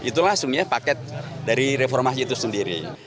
itu langsungnya paket dari reformasi itu sendiri